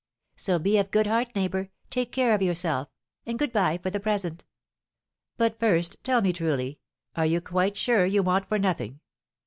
So be of good heart, neighbour, take care of yourself, and good bye for the present." "But first tell me truly, are you quite sure you want for nothing?